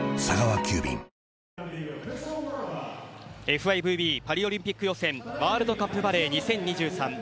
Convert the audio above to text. ＦＩＶＢパリオリンピック予選ワールドカップバレー２０２３。